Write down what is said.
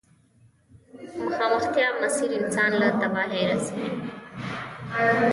مخامختيا مسير انسان له تباهي رسوي.